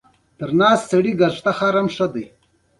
هغه بوجۍ یې له دیوال څخه پر راوتلو پایپونو ایښې وې.